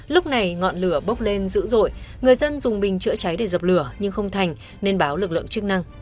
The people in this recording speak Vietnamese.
lúc này ngọn lửa bốc lên dữ dội người dân dùng bình chữa cháy để dập lửa nhưng không thành nên báo lực lượng chức năng